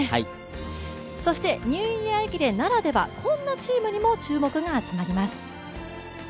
そしてニューイヤー駅伝ならでは、こんなチームにも注目が集まります。